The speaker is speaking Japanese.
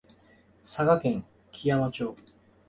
佐賀県基山町